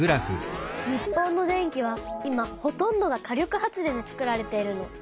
日本の電気は今ほとんどが火力発電でつくられているの。